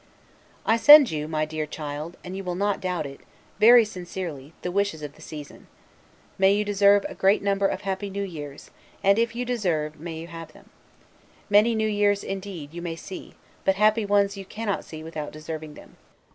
I send you, my dear child (and you will not doubt it), very sincerely, the wishes of the season. May you deserve a great number of happy New years; and, if you deserve, may you have them. Many New years, indeed, you may see, but happy ones you cannot see without deserving them.